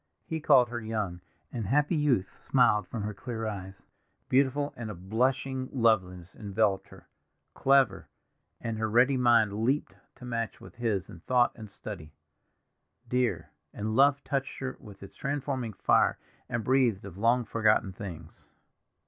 He called her young, and happy youth smiled from her clear eyes; beautiful, and a blushing loveliness enveloped her; clever, and her ready mind leaped to match with his in thought and study; dear, and love touched her with its transforming fire and breathed of long forgotten things.